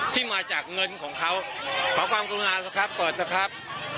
ที่มาจากเงินของเขาขอบความครับครับเปิดแล้วครับ